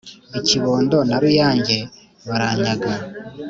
i kibondo na ruyange baranyaga